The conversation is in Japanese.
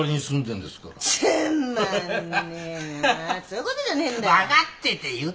そういうことじゃねえんだよ。